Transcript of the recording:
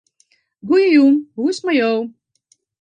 Goejûn, hoe is 't mei jo?